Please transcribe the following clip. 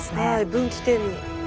分岐点に。